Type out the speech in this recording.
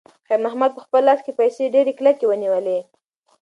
خیر محمد په خپل لاس کې پیسې ډېرې کلکې ونیولې.